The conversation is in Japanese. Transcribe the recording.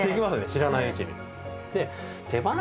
知らないうちに。